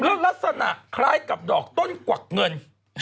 แล้วลักษณะคล้ายกับดอกต้นกวักเงิน